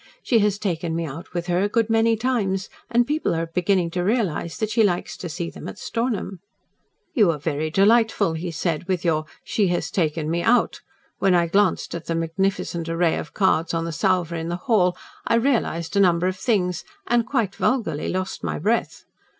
She has taken me out with her a good many times, and people are beginning to realise that she likes to see them at Stornham." "You are very delightful," he said, "with your 'She has taken me out.' When I glanced at the magnificent array of cards on the salver in the hall, I realised a number of things, and quite vulgarly lost my breath.